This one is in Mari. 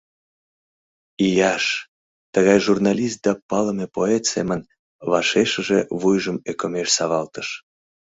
Ийаш, тыглай журналист да палыдыме поэт семын, вашешыже вуйжым ӧкымеш савалтыш.